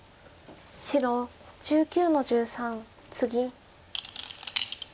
白１９の十三ツギ。